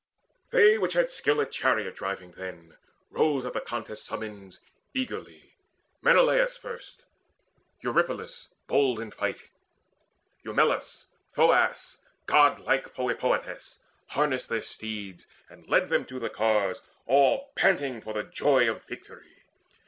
They which had skill in chariot driving then Rose at the contest's summons eagerly: Menelaus first, Eurypylus bold in fight, Eumelus, Thoas, godlike Polypoetes Harnessed their steeds, and led them to the cars All panting for the joy of victory.